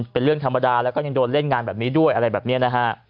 เป็นเรื่องธรรมดาแล้วก็ยังโดนเล่นงานแบบนี้ด้วยอะไรแบบนี้นะฮะ